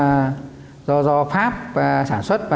máy ảnh cổ là do pháp sản xuất